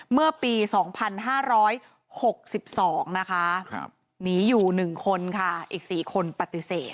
เมื่อปี๒๕๖๒นะคะหนีอยู่๑คนค่ะอีก๔คนปฏิเสธ